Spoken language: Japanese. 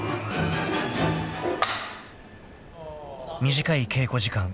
［短い稽古時間］